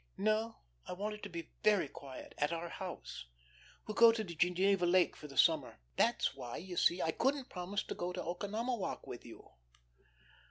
"No, I want it to be very quiet at our house. We'll go to Geneva Lake for the summer. That's why, you see, I couldn't promise to go to Oconomowoc with you."